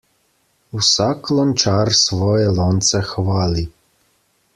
Vsak lončar svoje lonce hvali.